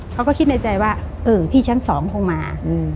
เขาก็คิดในใจว่าเออพี่ชั้น๒คงมา